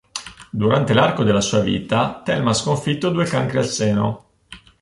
Durante l'arco della sua vita Thelma ha sconfitto due cancri al seno.